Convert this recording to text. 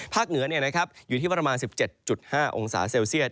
เหนืออยู่ที่ประมาณ๑๗๕องศาเซลเซียต